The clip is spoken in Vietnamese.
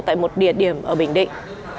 tại một địa điểm ở bình định